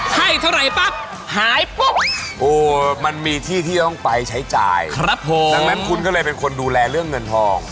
ให้เท่าไหร่ปั๊บหายปุ๊บโอ้มันมีที่ที่ต้องไปใช้จ่ายครับผมดังนั้นคุณก็เลยเป็นคนดูแลเรื่องเงินทอง